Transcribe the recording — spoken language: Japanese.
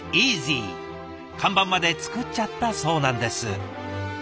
看板まで作っちゃったそうなんです。